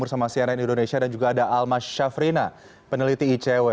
bersama cnn indonesia dan juga ada almas syafrina peneliti icw